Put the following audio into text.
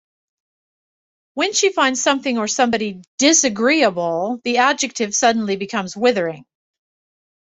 When she finds something or somebody "disagreeable," the adjective suddenly becomes withering.